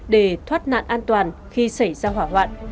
để thoát nạn an toàn khi xảy ra hỏa hoạn